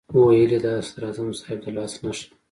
ویل یې دا د صدراعظم صاحب د لاس نښه ده.